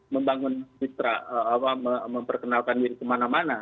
membangun mitra memperkenalkan diri kemana mana